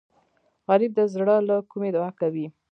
غریب د زړه له کومي دعا کوي